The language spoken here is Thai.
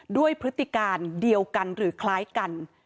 พฤติการเดียวกันหรือคล้ายกัน